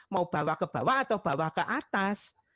mau bawa ke bawah atau bawa ke atas